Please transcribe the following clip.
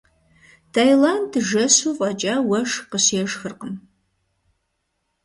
Таиланд жэщу фӏэкӏа уэшх къыщешхыркъым.